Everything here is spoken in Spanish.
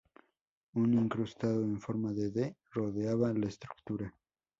Un incrustado, en forma de D, rodeaba la estructura.